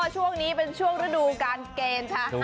อ๋อช่วงนี้เป็นช่วงระดูการเกย์ชะหาร